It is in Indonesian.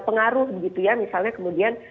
pengaruh begitu ya misalnya kemudian